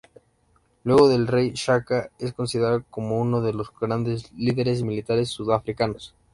Luego del Rey Shaka es considerado como uno de los grandes líderes militares sudafricanos.